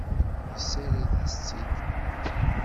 Yessared-as-tt-id.